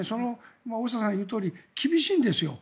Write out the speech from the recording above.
大下さんが言うとおり厳しいんですよ。